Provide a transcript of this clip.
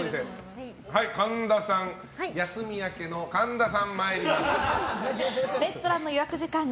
休み明けの神田さん、参ります。